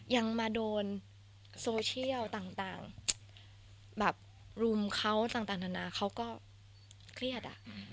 อย่างมาโดนโซเชียล